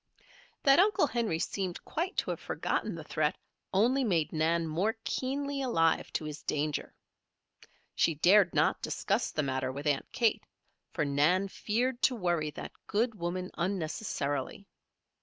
That Uncle Henry seemed quite to have forgotten the threat only made Nan more keenly alive to his danger. She dared not discuss the matter with Aunt Kate, for Nan feared to worry that good woman unnecessarily.